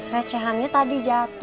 recehannya tadi jatuh